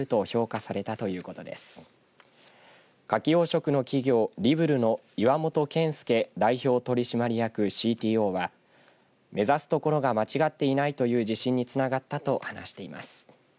かき養殖の企業リブルの岩本健輔代表取締役ＣＴＯは目指すところが間違っていないという自信につながったと話しています。